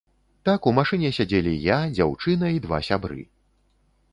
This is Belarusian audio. Так у машыне сядзелі я, дзяўчына і два сябры.